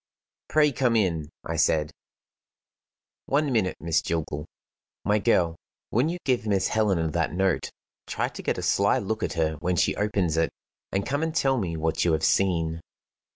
"Pray come in," I said. "One minute, Miss Jillgall. My girl, when you give Miss Helena that note, try to get a sly look at her when she opens it, and come and tell me what you have seen."